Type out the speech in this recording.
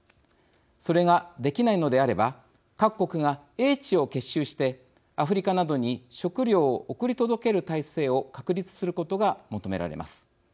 それが、できないのであれば各国が英知を結集してアフリカなどに食料を送り届ける態勢を確立することが求められます。